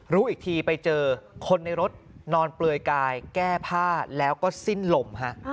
รู้อีกทีไปเจอคนในรถนอนเปลือยกายแก้ผ้าแล้วก็สิ้นลมฮะ